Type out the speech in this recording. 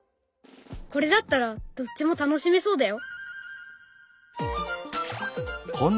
これだったらどっちも楽しめそうだよ！